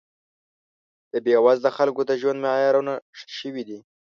د بې وزله خلکو د ژوند معیارونه ښه شوي دي